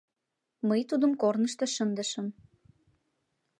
— Мый тудым корнышто шындышым.